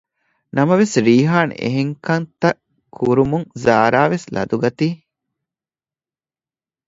ނަމަވެސް ރީހާން އެހެންކަންތައް ކުރުމުން ޒާރާވެސް ލަދުަގަތީ